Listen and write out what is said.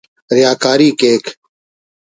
ریاکاری کیک